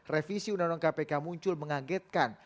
revisi undang undang kpk muncul mengagetkan